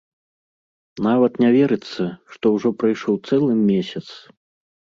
Нават не верыцца, што ўжо прайшоў цэлы месяц!